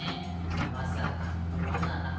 まさかのバナナ。